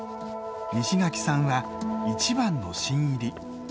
西垣さんは一番の新入り。